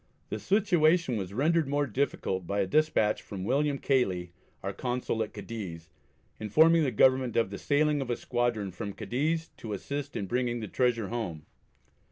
The situation was rendered more difficult by a despatch from William Cayley, our Consul at Cadiz, informing the Government of the sailing of a squadron from Cadiz to assist in bringing the treasure home.